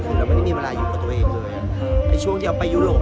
คือเราไม่ได้มีเวลาอยู่กับตัวเองเลยไอ้ช่วงที่เอาไปยุโรป